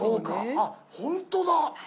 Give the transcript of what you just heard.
あっほんとだ！